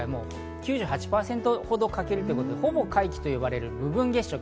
９８％ほど欠けるということでほぼ皆既といわれる部分月食。